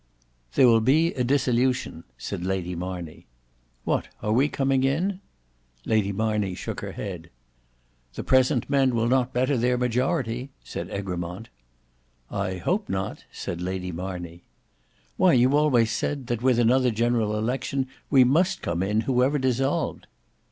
"There will be a dissolution," said Lady Marney. "What are we coming in?" Lady Marney shook her head. "The present men will not better their majority," said Egremont. "I hope not," said Lady Marney. "Why you always said, that with another general election we must come in, whoever dissolved."